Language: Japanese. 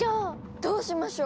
どうしましょう？